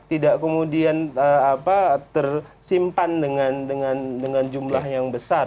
tidak kemudian tersimpan dengan jumlah yang besar